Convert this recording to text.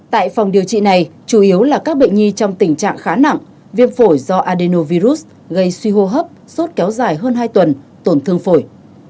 tại phòng điều trị này chủ yếu là các bệnh nhi trong tình trạng khá nặng viêm phổi do adenovirus gây suy hô hấp sốt kéo dài hơn hai tuần tổn thương phổi